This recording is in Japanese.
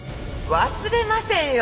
忘れませんよ！